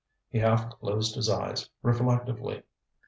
ŌĆØ He half closed his eyes, reflectively.